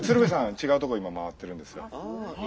違うとこ今回ってるんですよ。